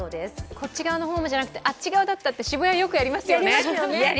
こっち側のホームじゃなくてあっち側のホームだったと、よくやりますよね。